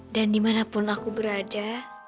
dan dimanapun aku berada